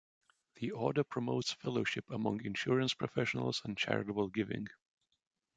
The Order promotes fellowship among insurance professionals and charitable giving.